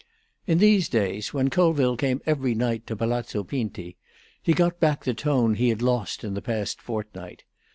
In these days, when Colville came every night to Palazzo Pinti, he got back the tone he had lost in the past fortnight.